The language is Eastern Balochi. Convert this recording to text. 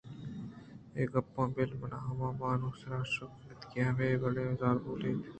اے گپاں بل منا ہمابانک ءِسرءَ شک اِنت کہ آ ہمے وڑیں زالبولے اِنت